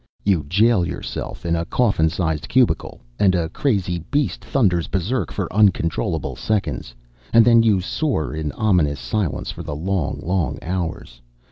You jail yourself in a coffin size cubicle, and a crazy beast thunders berserk for uncontrollable seconds, and then you soar in ominous silence for the long, long hours.